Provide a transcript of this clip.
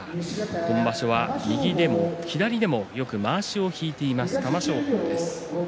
今場所は右でも左でもよくまわしを引いています玉正鳳です。